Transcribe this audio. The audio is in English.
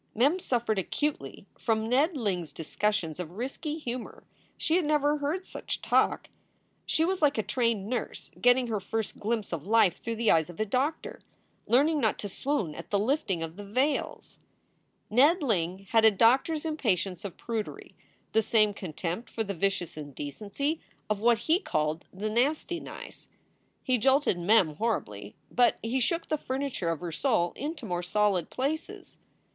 Mem suffered acutely from Ned Ling s discussions of risky humor. She had never heard such talk. She was like a trained nurse getting her first glimpse of life through the eyes of a doctor, learning not to swoon at the lifting of the veils. 340 SOULS FOR SALE Ned Ling had a doctor s impatience of prudery, the same contempt for the vicious indecency of what he called the nasty nice. He jolted Mem horribly, but he shook the furni ture of her soul into more solid places.